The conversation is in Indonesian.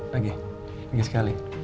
lagi lagi sekali